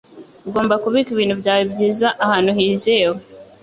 Ugomba kubika ibintu byawe byiza ahantu hizewe.